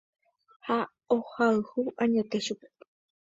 Ha ohayhu añete chupe.